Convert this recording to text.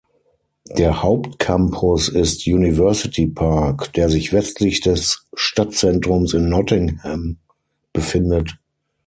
Der Hauptcampus ist "University Park", der sich westlich des Stadtzentrums in Nottingham befindet.